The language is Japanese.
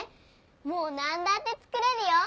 もう何だって作れるよ。